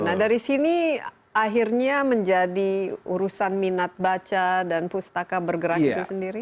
nah dari sini akhirnya menjadi urusan minat baca dan pustaka bergerak itu sendiri